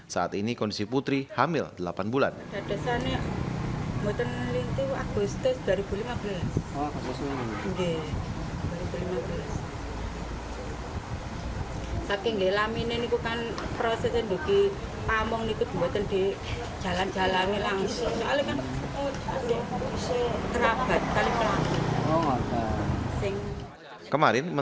saat ini kondisi putri hamil delapan bulan